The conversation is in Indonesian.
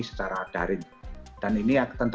secara daring dan ini tentu